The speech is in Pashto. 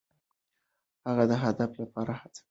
هغه د هدف لپاره هڅه کوي.